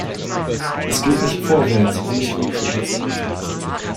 Es geht nicht vorwärts und nicht rückwärts.